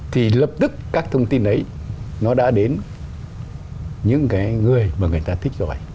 thì lập tức các thông tin ấy nó đã đến những cái người mà người ta thích rồi